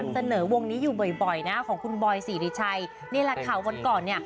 ทุกวงเรานำเสนอ